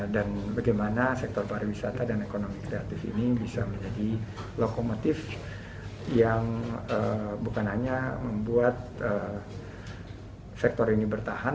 dan bagaimana sektor pariwisata dan ekonomi kreatif ini bisa menjadi lokomotif yang bukan hanya membuat sektor ini bertahan